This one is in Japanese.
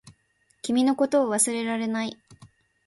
君のことを忘れられない